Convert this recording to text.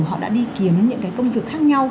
họ đã đi kiếm những cái công việc khác nhau